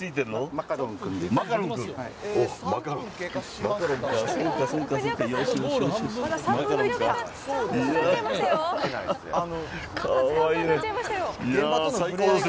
マカロンくんです。